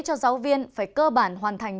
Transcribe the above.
cho giáo viên phải cơ bản hoàn thành